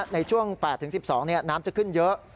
ในช่วง๘๑๒น้ำจะขึ้นเยอะ